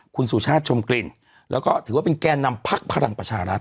คุณสุชาติชมกลิ่นแล้วก็ถือว่าเป็นแก่นำพักพลังประชารัฐ